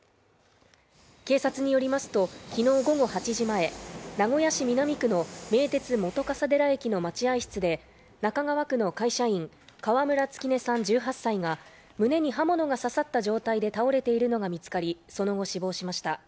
警察によりますと、昨日午後８時前名古屋市南区の名鉄・本笠寺駅の待合室で中川区の会社員、川村月音さん１８歳が胸に刃物が突き刺さった状態で倒れているのが見つかり、その後、死亡しました。